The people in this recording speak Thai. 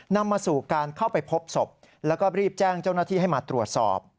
นำมาสู่การเข้าไปพบศพแล้วก็รีบแจ้งเจ้าหน้าที่ให้มาตรวจสอบ